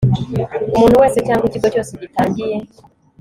umuntu wese cyangwa ikigo cyose gitangiye